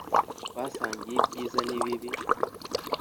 Twasangiye ibyiza n'ibibi